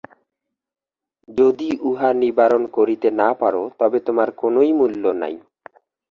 যদি উহা নিবারণ করিতে না পার, তবে তোমার কোনই মূল্য নাই।